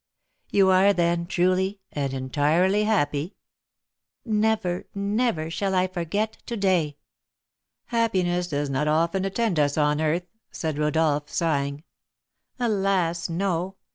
"You are, then, truly and entirely happy?" "Never, never shall I forget to day." "Happiness does not often attend us on earth," said Rodolph, sighing. "Alas, no!